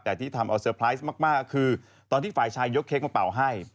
แต่ที่ทำเอาเซอร์ไพรส์มากคือตอนที่ฝ่ายชายยกเค้กมาเป่าให้